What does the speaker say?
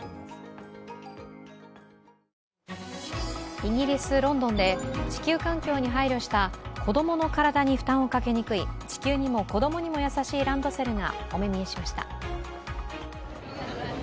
イギリス・ロンドンで地球環境に配慮した子供の体に負担をかけにくい地球にも子供にも優しいランドセルがお目見えしました。